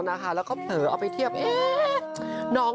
เราก็แบบเหมือนกัน